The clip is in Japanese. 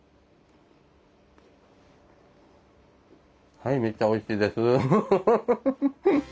はいめっちゃおいしいです。